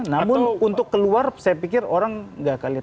namun untuk keluar saya pikir orang nggak akan lihat